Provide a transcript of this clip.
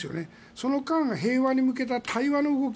その間、平和に向けた対話の動き